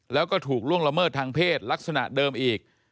แล้วก็ถูกล่วงละเมิดทางเพศลักษณะเดิมอีก